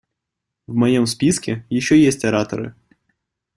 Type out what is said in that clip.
В моем списке еще есть ораторы.